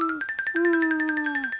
うん！